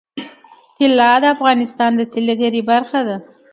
طلا د افغانستان د سیلګرۍ برخه ده.